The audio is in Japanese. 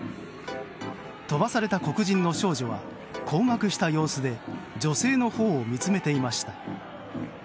飛ばされた黒人の少女は困惑した様子で女性のほうを見つめていました。